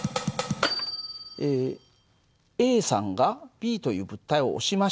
ＡさんがＢという物体を押しました。